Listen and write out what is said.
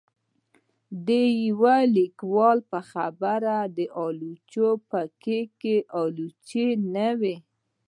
د يو ليکوال په خبره د آلوچو په کېک کې آلوچې نه وې